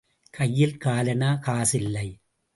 கையில் காலணா காசில்லை.